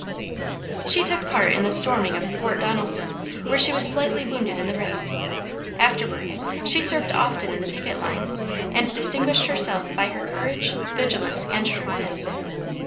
She took part in the storming of Fort Donelson where she was slightly wounded in the wrist. Afterwards she served often in the picket line and distinguished herself by her courage, vigilance, and shrewdness.